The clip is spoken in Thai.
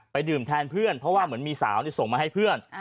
ดื่มแทนเพื่อนเพราะว่าเหมือนมีสาวส่งมาให้เพื่อน